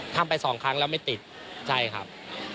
ทำไปสองครั้งแล้วไม่ติดใช่ครับ